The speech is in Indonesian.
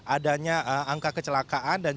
adanya angka kecelakaan